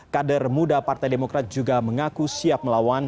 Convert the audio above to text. kader muda partai demokrat juga mengaku siap melawan